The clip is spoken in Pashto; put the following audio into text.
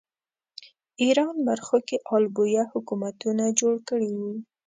ایران برخو کې آل بویه حکومتونه جوړ کړي وو